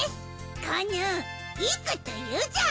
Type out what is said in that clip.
コヌいいこと言うじゃん！